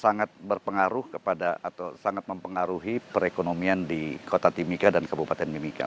sangat berpengaruh kepada atau sangat mempengaruhi perekonomian di kota timika dan kabupaten mimika